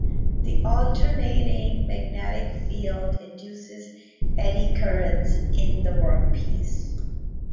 The alternating magnetic field induces eddy currents in the workpiece.